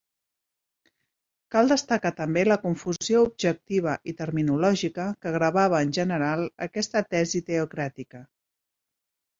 Cal destacar també la confusió objectiva i terminològica que gravava en general aquesta tesi teocràtica.